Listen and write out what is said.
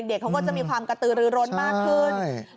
เขาก็จะมีความกระตือรือร้นมากขึ้น